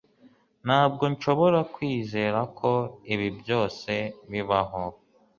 Ntabwo nshobora kwizera ko ibi byose bibaho